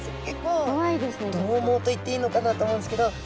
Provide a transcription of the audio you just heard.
結構どうもうといっていいのかなと思うんですけど。